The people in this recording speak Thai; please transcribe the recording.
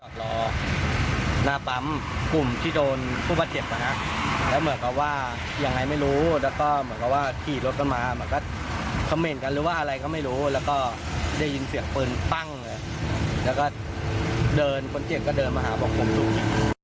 ก็ได้ยินเสียงปืนปั้งแล้วก็เดินคนเจ็บก็เดินมาหาปกปรุง